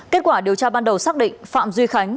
kết quả điều tra ban đầu xác định phạm duy khánh